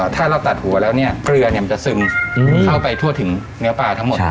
ถ้าเราตัดหัวแล้วเนี่ยเกลือมันจะซึมเข้าไปทั่วถึงเนื้อปลาทั้งหมด